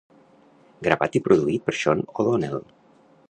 Gravat i produït per Sean O'Donnell.